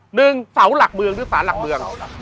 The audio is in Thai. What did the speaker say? หนึ่งเสาหลักเมืองหรือศาลหลักเมือง